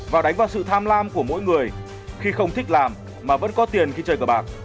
và đánh vào sự tham lam của mỗi người khi không thích làm mà vẫn có tiền khi chơi cờ bạc